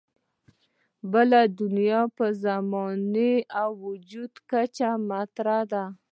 بله دنیا په زماني او وجودي کچه مطرح ده.